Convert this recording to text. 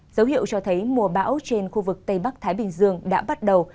dấu hiệu cho thấy mùa bão trên khu vực tây bắc thái bình dương đã bắt đầu